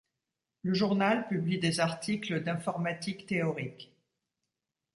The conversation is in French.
Le journal publie des articles d'informatique théorique.